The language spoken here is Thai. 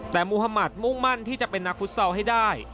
แต่มุธมัติมุ่งมั่นที่จะเป็นนักฟุตซอลให้ได้